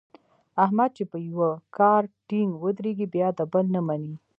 احمد چې په یوه کار ټینګ ودرېږي بیا د بل نه مني.